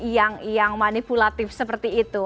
yang manipulatif seperti itu